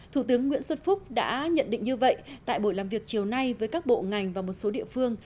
thủ tướng nguyễn xuân phúc đã nhận định như vậy tại buổi làm việc chiều nay với các bộ ngành và một số địa phương